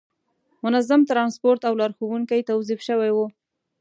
منظم ترانسپورت او لارښوونکي توظیف شوي وو.